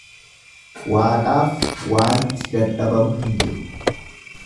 Waaqaaf waanti dadhabamu hin jiru.